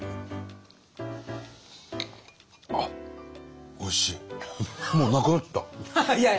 あっおいしい。